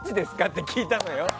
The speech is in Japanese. って聞いたのよ。